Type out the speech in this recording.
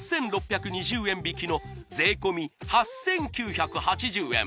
８６２０円引きの税込８９８０円